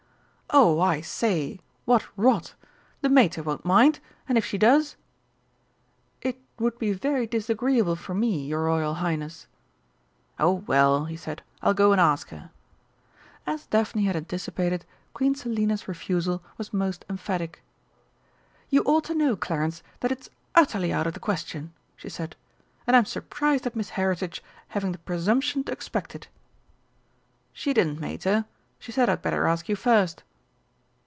"Oh, I say what rot! The Mater won't mind! And if she does !" "It would be very disagreeable for me, your Royal Highness!" "Oh, well," he said, "I'll go and ask her." As Daphne had anticipated, Queen Selina's refusal was most emphatic. "You ought to know, Clarence, that it's utterly out of the question!" she said. "And I'm surprised at Miss Heritage having the presumption to expect it." "She didn't, Mater. She said I'd better ask you first."